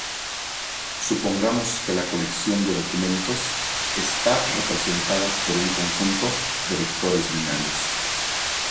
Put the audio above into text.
Supongamos que la colección de documentos está representada por un conjunto de vectores binarios.